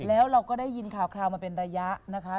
แล้วเราก็ได้ยินข่าวมาเป็นระยะนะคะ